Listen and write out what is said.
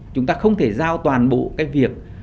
chúng ta không thể giao toàn bộ cái việc